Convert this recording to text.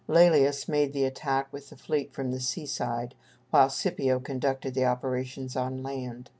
Lælius made the attack with the fleet from the seaside, while Scipio conducted the operations on land.